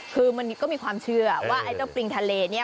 คือมันก็มีความเชื่อว่าไอ้เจ้าปริงทะเลเนี่ย